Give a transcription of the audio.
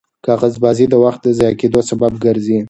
کاغذبازي د وخت د ضایع کېدو سبب ګرځي.